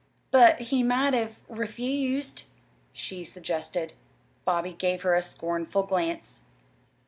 "But he might have refused," she suggested. Bobby gave her a scornful glance.